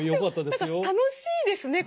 何か楽しいですね